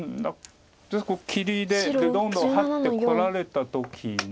切りでどんどんハッてこられた時に。